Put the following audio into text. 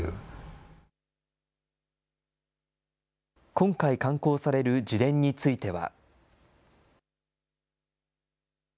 今回、刊行される自伝については。